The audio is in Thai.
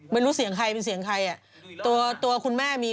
พี่เรียกเขาโรงพยาบาลดิพี่